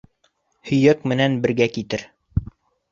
Һөйәк менән бергә китер.